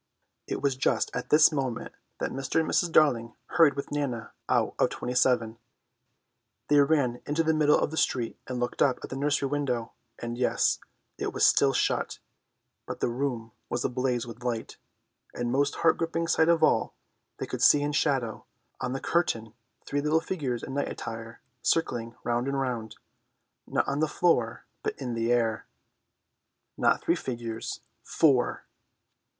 It was just at this moment that Mr. and Mrs. Darling hurried with Nana out of 27. They ran into the middle of the street to look up at the nursery window; and, yes, it was still shut, but the room was ablaze with light, and most heart gripping sight of all, they could see in shadow on the curtain three little figures in night attire circling round and round, not on the floor but in the air. Not three figures, four!